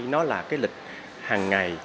nó là cái lịch hàng ngày